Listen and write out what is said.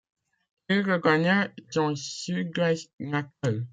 Il regagna son sud-ouest natal.